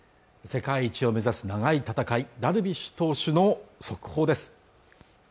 世界一を目指す長い戦いダルビッシュ投手の速報です